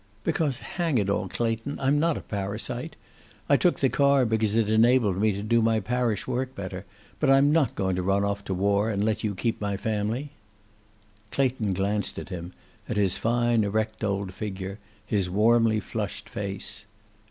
"Because, hang it all, Clayton, I'm not a parasite. I took the car, because it enabled me to do my parish work better. But I'm not going to run off to war and let you keep my family." Clayton glanced at him, at his fine erect old figure, his warmly flushed face.